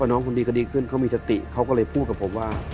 น้องคนดีก็ดีขึ้นเขามีสติเขาก็เลยพูดกับผมว่า